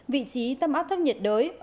vị trí tâm áp thấp nhiệt đới